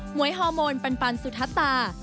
หมวยฮอร์โมนปันสุทัศน์ตา